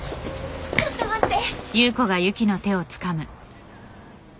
ちょっと待って。